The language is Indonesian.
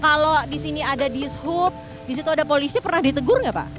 kalau di sini ada dishub di situ ada polisi pernah ditegur gak pak